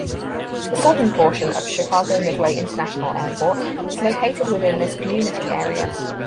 The southern portion of Chicago Midway International Airport is located within this community area.